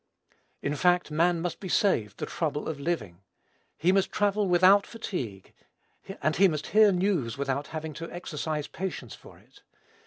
In fact, man must be saved the trouble of living. He must travel without fatigue, and he must hear news without having to exercise patience for it.